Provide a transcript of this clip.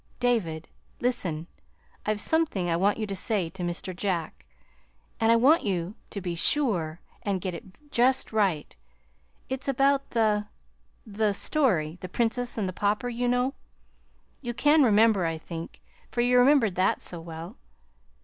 "David, listen. I've something I want you to say to Mr. Jack, and I want you to be sure and get it just right. It's about the the story, 'The Princess and the Pauper,' you know. You can remember, I think, for you remembered that so well.